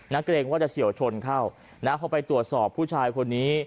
เกรงว่าจะเฉียวชนเข้านะพอไปตรวจสอบผู้ชายคนนี้